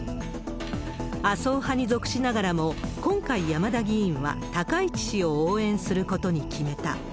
麻生派に属しながらも、今回、山田議員は高市氏を応援することに決めた。